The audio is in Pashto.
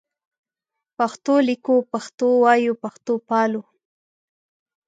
پښتو لیکو پښتو وایو پښتو پالو